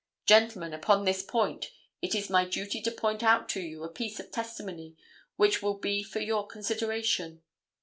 Gentlemen, upon this point it is my duty to point out to you a piece of testimony which will be for your consideration.